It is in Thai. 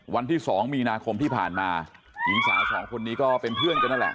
วันที่๒มีนาคมที่ผ่านมาหญิงสาวสองคนนี้ก็เป็นเพื่อนกันนั่นแหละ